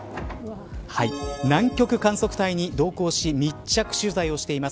南極観測隊に同行し密着取材をしています